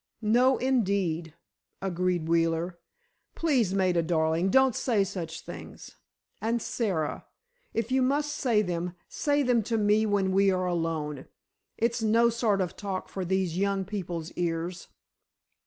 "No, indeed," agreed Wheeler. "Please, Maida, darling, don't say such things. And, Sara, if you must say them, say them to me when we are alone. It's no sort of talk for these young people's ears."